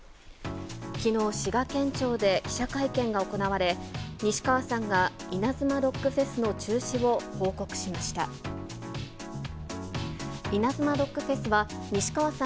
きのう、滋賀県庁で記者会見が行われ、西川さんがイナズマロックフェスの中止を報告しました。